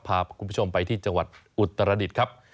พาคุณผู้ชมไปที่จังหวัดอุตรดิษฐ์ครับ